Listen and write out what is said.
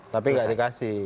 tapi nggak dikasih